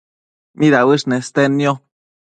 midauësh nestednio?